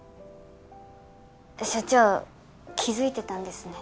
所長気づいてたんですね。